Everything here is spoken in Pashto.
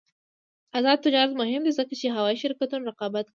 آزاد تجارت مهم دی ځکه چې هوايي شرکتونه رقابت کوي.